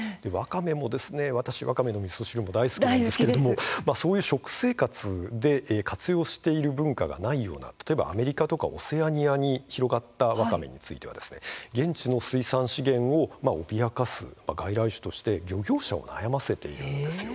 私もわかめのおみそ汁も大好きなんですが食生活で活用している文化の内容がアメリカやオセアニアに広がったわかめについては現地の水産資源を脅かす外来種として漁業者を悩ませているんです。